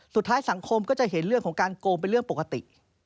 สังคมก็จะเห็นเรื่องของการโกงเป็นเรื่องปกติ